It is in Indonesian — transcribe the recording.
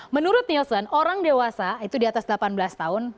menurut nielsen orang dewasa itu di atas delapan belas tahun